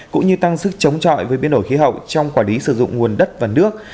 cũng như tăng sức chống trọi với biến đổi khí hậu trong quản lý sử dụng nguồn đất và nước